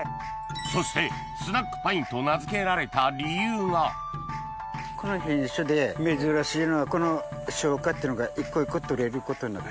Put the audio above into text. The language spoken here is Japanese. そしてスナックパインと名付けられた理由がこの小果っていうのが一個一個取れることになってる。